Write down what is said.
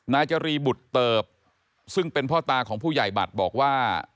นายจรีบุตรเติบซึ่งเป็นพ่อตาของผู้ใหญ่บัตรบอกว่า